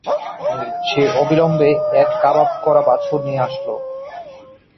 সে অবিলম্বে এক কাবাব করা বাছুর নিয়ে আসল।